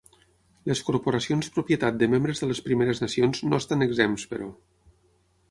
Les corporacions propietat de membres de les Primeres Nacions no estan exempts, però.